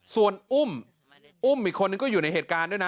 ส่วนอุ้มอุ้มอีกคนนึงก็อยู่ในเหตุการณ์ด้วยนะ